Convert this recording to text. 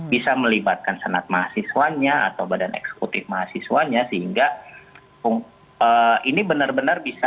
bisa melibatkan senat mahasiswanya atau badan eksekutif mahasiswanya sehingga ini benar benar bisa